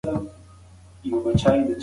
که ور خلاص شي، ماشوم به بیرته راشي.